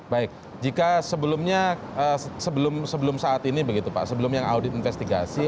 baik jika sebelumnya sebelum saat ini begitu pak sebelum yang audit investigasi